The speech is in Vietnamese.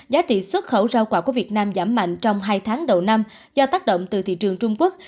giá trị xuất khẩu rau quả của việt nam giảm mạnh trong hai tháng đầu năm do tác động từ thị trường trung quốc